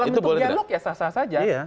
dialog ya sah sah saja